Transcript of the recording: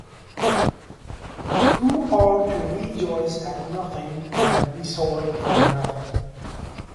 Who are to rejoice at nothing and be sorry for nothing.